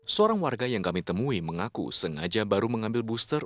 seorang warga yang kami temui mengaku sengaja baru mengambil booster